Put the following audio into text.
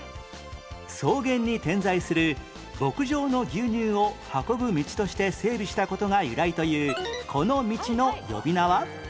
草原に点在する牧場の牛乳を運ぶ道として整備した事が由来というこの道の呼び名は？